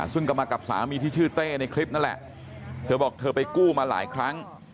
ซึ่งก็มากับสามีที่ชื่อเต้ในคลิปนั่นแหละเธอบอกเธอไปกู้มาหลายครั้ง